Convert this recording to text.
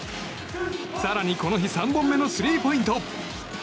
更にこの日３本目のスリーポイント。